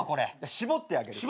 絞ってあげる。